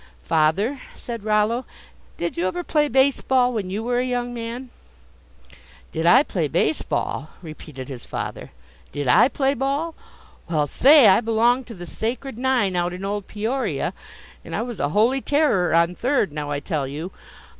"Father," said Rollo, "did you ever play base ball when you were a young man?" "Did I play base ball?" repeated his father, "did I play ball? Well, say, I belonged to the Sacred Nine out in old Peoria, and I was a holy terror on third, now I tell you.